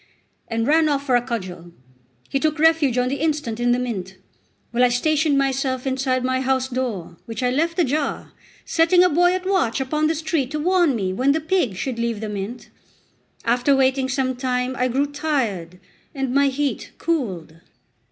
and ran off for a cudgel. He took refuge on the instant in the mint; while I stationed myself inside my housedoor, which I left ajar, setting a boy at watch upon the street to warn me when the pig should leave the mint. After waiting some time, I grew tired, and my heat cooled.